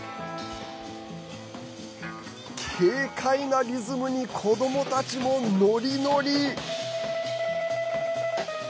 軽快なリズムに子どもたちもノリノリ！